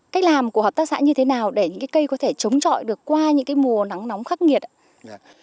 cách làm của hợp tác xã như thế nào để những cái cây có thể chống chọi được qua những cái mùa nóng nóng khắc nghiệt ạ